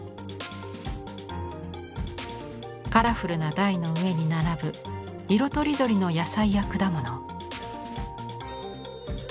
カラフルな台の上に並ぶ色とりどりの野菜や果物。